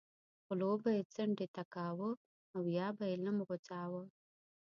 غلو به یې څنډې ته کاوه او یا به یې لم غوڅاوه.